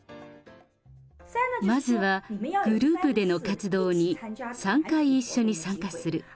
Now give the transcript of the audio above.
まずはグループでの活動に３回一緒に参加する。